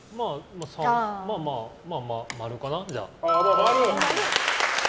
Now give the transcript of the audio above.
まあまあ、○かな。